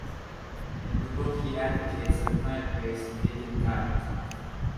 In the book he advocates a plant-based vegan diet.